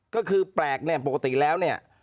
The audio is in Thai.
ก็คือแปลกเนี่ยปกติแล้วเนี่ย